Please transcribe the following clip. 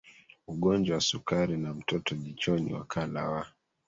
ugonjwa wa sukari na mtoto jichoni Wakala wa